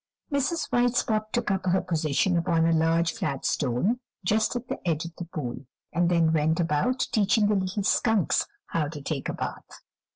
Mrs. White Spot took up her position upon a large flat stone, just at the edge of the pool, and then went about teaching the little skunks how to take a bath.